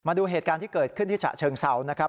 ดูเหตุการณ์ที่เกิดขึ้นที่ฉะเชิงเซานะครับ